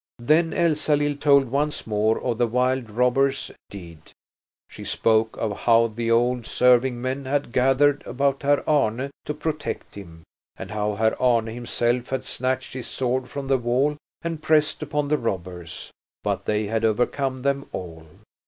Then Elsalill told once more of the wild robbers' deed. She spoke of how the old serving men had gathered about Herr Arne to protect him and how Herr Arne himself had snatched his sword from the wall and pressed upon the robbers, but they had overcome them all.